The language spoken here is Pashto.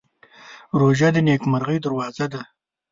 روژه د نېکمرغۍ دروازه ده.